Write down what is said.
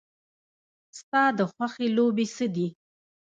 ستا د خوښې لوبې څه دي؟